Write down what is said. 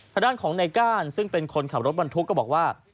ทางด้านของในก้านซึ่งเป็นคนขับรถบรรทุกก็บอกว่า